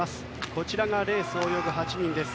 こちらがレースを泳ぐ８人です。